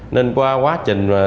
nên qua quá trình